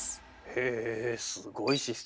へえすごいシステム。